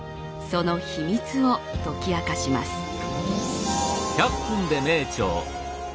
その秘密を解き明かします。